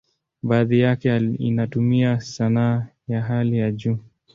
Baadhi yake inatumia sanaa ya hali ya juu.